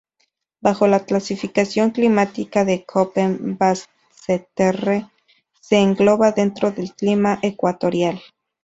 Bajo la clasificación climática de Köppen, Basseterre se engloba dentro del clima ecuatorial.